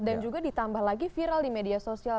dan juga ditambah lagi viral di media sosial